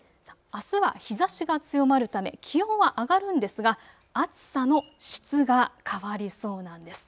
あすは日ざしが強まるため気温は上がるんですが暑さの質が変わりそうなんです。